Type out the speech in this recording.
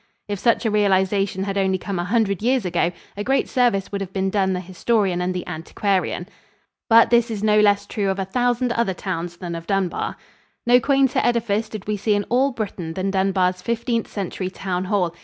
If such a realization had only come a hundred years ago, a great service would have been done the historian and the antiquarian. But this is no less true of a thousand other towns than of Dunbar. No quainter edifice did we see in all Britain than Dunbar's Fifteenth Century town hall.